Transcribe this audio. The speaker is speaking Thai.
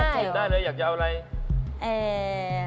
กินได้เลยอยากจะเอาอะไร